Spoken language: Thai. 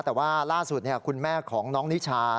แต่ว่าล่าสุดคุณแม่ของน้องนิชา